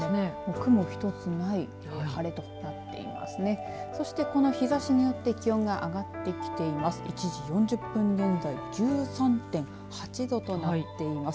雲１つない晴れとなっています。